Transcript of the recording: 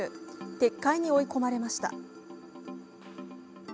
撤回に追い込まれました。